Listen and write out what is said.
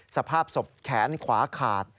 สภาพศพแขนขวาขาด